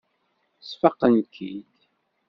Sfaqen-k-id.